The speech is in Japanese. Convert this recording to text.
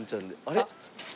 あれ？